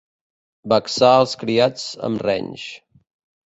Vexar els criats amb renys.